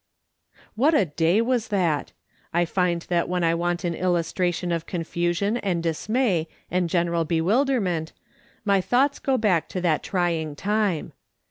"What a day was that ! I find that when I want an illustration of confusion and dismay and general hewilderment, my thoughts go back to that trying time.